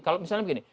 kalau misalnya begini